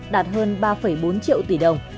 đạt hơn ba bốn triệu tỷ đồng